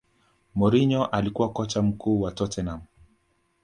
mourinho alikuwa kocha mkuu wa tottenham